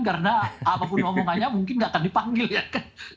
karena apapun omongannya mungkin gak akan dipanggil ya kan